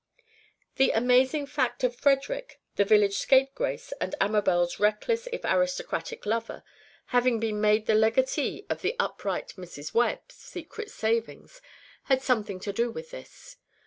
The amazing fact of Frederick, the village scapegrace and Amabel's reckless, if aristocratic, lover, having been made the legatee of the upright Mrs. Webb's secret savings had something to do with this.